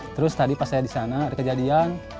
terus tadi pas saya di sana ada kejadian